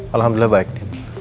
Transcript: alhamdulillah baik din